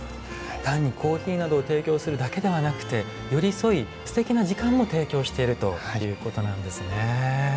単にコーヒーなどを提供するだけではなくて寄り添いすてきな時間も提供しているということなんですね。